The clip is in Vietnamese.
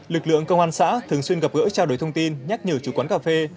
lực lượng công an xã thường xuyên gặp gỡ trao đổi thông tin nhắc nhở chủ quán cà phê